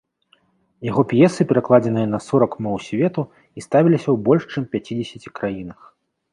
Яго п'есы перакладзеныя на сорак моў свету і ставіліся ў больш чым пяцідзесяці краінах.